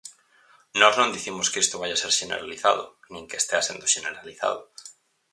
Nós non dicimos que isto vaia ser xeneralizado, nin que estea sendo xeneralizado.